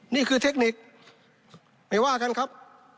นี่คือเทคนิคไม่ว่ากันครับ